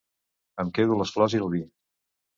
Em quedo les flors i el vi.